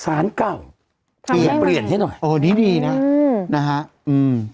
สารเก่าสารเก่าเบียนเปลี่ยนให้หน่อยโอนี่ดีนะอืมนะฮะอืม